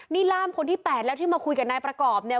นี่ร่ามคนที่๘แล้วที่มาคุยกับนายประกอบเนี่ย